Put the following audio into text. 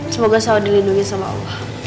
semoga selalu dilindungi sama allah